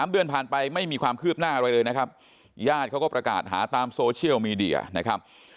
๓เดือนผ่านไปไม่มีความคืบหน้าอะไรเลยนะครับญาติเขาก็ประกาศหาตามโซเชียลมีเดียนะครับ